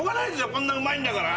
こんなうまいんだから。